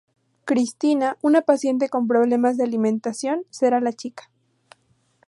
Cristina, una paciente con problemas de alimentación será la chica.